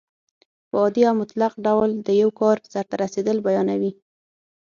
په عادي او مطلق ډول د یو کار سرته رسېدل بیانیوي.